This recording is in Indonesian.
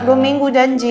dua minggu janji